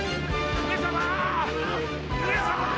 上様！